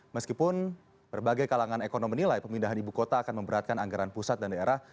meskipun berbagai kalangan ekonomi menilai pemindahan ibu kota akan memberatkan anggaran pusat dan daerah